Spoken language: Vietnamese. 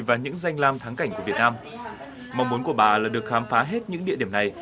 và những danh lam thắng cảnh của việt nam mong muốn của bà là được khám phá hết những địa điểm này